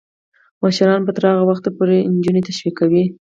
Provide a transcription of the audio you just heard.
مشران به تر هغه وخته پورې نجونې تشویقوي.